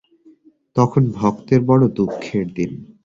তখন ভক্তের বড়ো দুঃখের দিন।